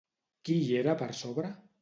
Qui hi era per sobre?